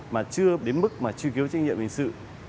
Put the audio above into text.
mà chưa đến mức mà truy cứu trách nhiệm hình sự